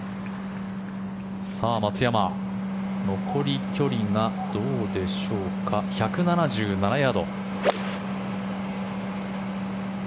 松山、残り距離がどうでしょうか、１７７ヤード。